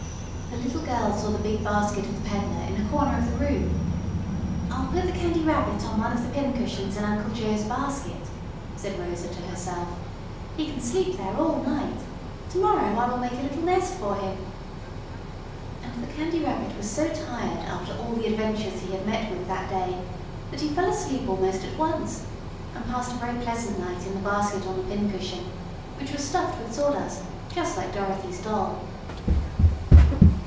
The little girl saw the big basket of the peddler in a corner of the room. "I'll put the Candy Rabbit on one of the pin cushions in Uncle Joe's basket," said Rosa to herself. "He can sleep there all night. To morrow I will make a little nest for him." And the Candy Rabbit was so tired after all the adventures he had met with that day that he fell asleep almost at once, and passed a very pleasant night in the basket on the pin cushion, which was stuffed with sawdust, just like Dorothy's doll.